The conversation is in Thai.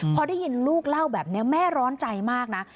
พอได้ยินลูกเล่าแบบนี้แม่ร้อนใจมากนะ